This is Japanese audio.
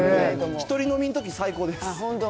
１人飲みのとき最高です。